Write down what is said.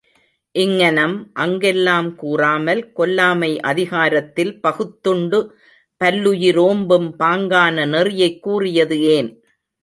இங்ஙனம், அங்கெல்லாம் கூறாமல், கொல்லாமை அதிகாரத்தில் பகுத்துண்டு பல்லுயிரோம்பும் பாங்கான நெறியைக் கூறியது ஏன்?